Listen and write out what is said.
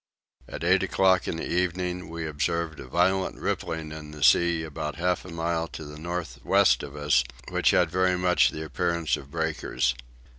At eight o'clock in the evening we observed a violent rippling in the sea about half a mile to the north west of us which had very much the appearance of breakers.